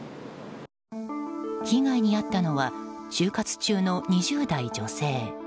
被害に遭ったのは就活中の２０代女性。